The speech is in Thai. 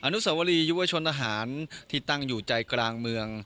นุสวรียุวชนทหารที่ตั้งอยู่ใจกลางเมือง